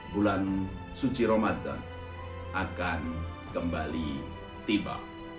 bulan suci ramadan akan kembali tiba